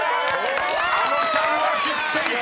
［あのちゃんは知っていた！